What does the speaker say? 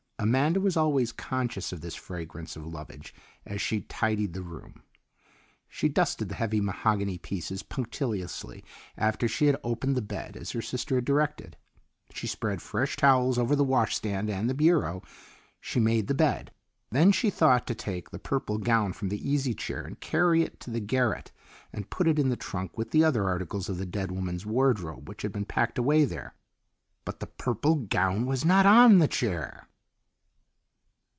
Amanda was always conscious of this fragrance of lovage as she tidied the room. She dusted the heavy mahogany pieces punctiliously after she had opened the bed as her sister had directed. She spread fresh towels over the wash stand and the bureau; she made the bed. Then she thought to take the purple gown from the easy chair and carry it to the garret and put it in the trunk with the other articles of the dead woman's wardrobe which had been packed away there; BUT THE PURPLE GOWN WAS NOT ON THE CHAIR!